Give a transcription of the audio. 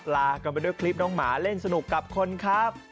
ลากันไปด้วยคลิปน้องหมาเล่นสนุกกับคนครับ